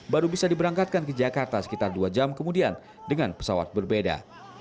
baru bisa diberangkatkan ke jakarta sekitar dua jam kemudian dengan pesawat berbeda